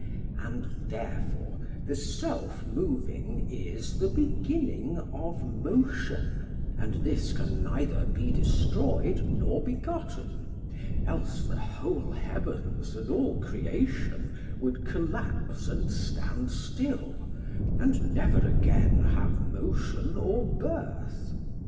And therefore the self moving is the beginning of motion; and this can neither be destroyed nor begotten, else the whole heavens and all creation would collapse and stand still, and never again have motion or birth.